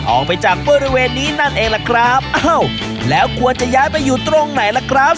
ออกไปจากบริเวณนี้นั่นเองล่ะครับอ้าวแล้วควรจะย้ายไปอยู่ตรงไหนล่ะครับ